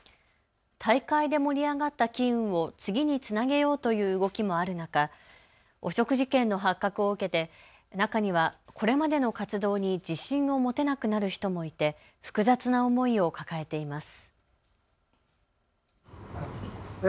大会で盛り上がった機運を次につなげようという動きもある中汚職事件の発覚を受けて、中にはこれまでの活動に自信を持てなくなる人もいて複雑な思いを抱えています。